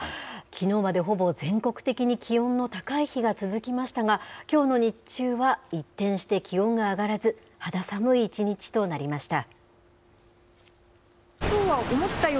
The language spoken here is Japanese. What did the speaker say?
きのうまでほぼ全国的に気温の高い日が続きましたが、きょうの日中は一転して、気温が上がらず、肌寒い一日となりました。